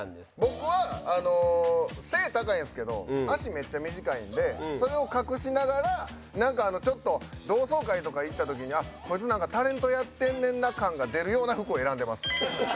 めっちゃ短いんでそれを隠しながらちょっと同窓会とか行った時にこいつなんかタレントやってんねんな感が出るような服を選んでます。